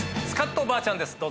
スカッとばあちゃんです。